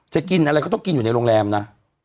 กินอะไรก็ต้องกินอยู่ในโรงแรมนะ